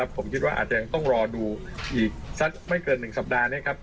ผมคิดว่าอาจจะยังต้องรอดูอีกสักไม่เกิน๑สัปดาห์นี้ครับ